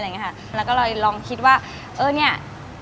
แล้วก็เลยลองคิดว่าเออเนี่ย